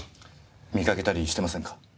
見かけたりしてませんか？